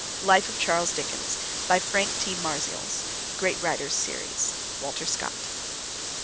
Life of Charles Dickens. By Frank T. Marzials. 'Great Writers' Series. (Walter Scott.)